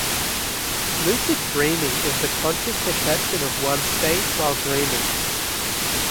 Lucid dreaming is the conscious perception of one's state while dreaming.